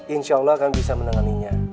insya allah akan bisa menanganinya